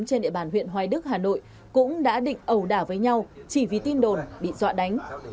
các đối tượng trên địa bàn huyện hoài đức hà nội cũng đã định ẩu đả với nhau chỉ vì tin đồn bị dọa đánh